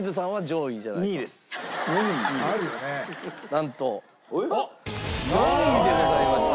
なんと４位でございました。